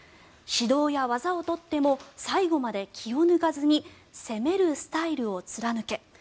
指導や技を取っても最後まで気を抜かずに攻めるスタイルを貫け。